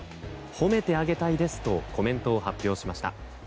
褒めてあげたいですとコメントを発表しました。